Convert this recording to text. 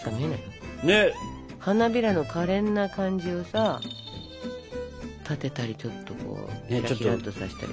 花びらのかれんな感じをさ立てたりちょっとひらっとさせたり。